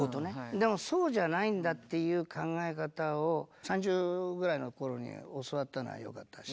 でもそうじゃないんだっていう考え方を３０ぐらいの頃に教わったのはよかったです。